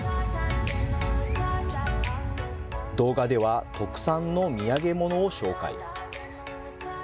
動画では特産の土産物を紹介。